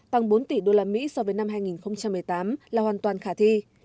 tăng bốn tỷ usd so với năm hai nghìn một mươi tám là hoàn toàn khả thi